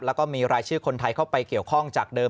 แล้วก็มีรายชื่อคนไทยเข้าไปเกี่ยวข้องจากเดิม